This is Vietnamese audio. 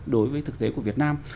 đối với thực tế của việt nam